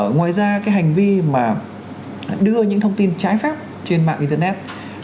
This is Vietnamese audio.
ngoài ra cái hành vi mà đưa những thông tin trái phép trên mạng internet